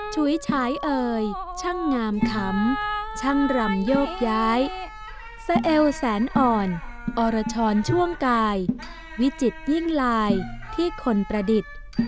ฉุยฉายเอ่ยช่างงามขำช่างรำโยกย้ายสเอลแสนอ่อนอรชรช่วงกายวิจิตยิ่งลายที่คนประดิษฐ์